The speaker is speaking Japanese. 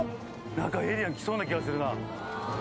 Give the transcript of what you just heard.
何かエイリアン来そうな気がするな。